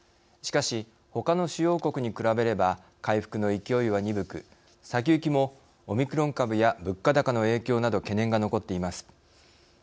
しかし、ほかの主要国に比べれば回復の勢いは鈍く、先行きもオミクロン株や物価高の影響など懸念が残っています。